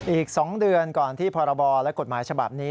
อีก๒เดือนก่อนที่พรบและกฎหมายฉบับนี้